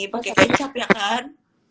pake kecap ya kan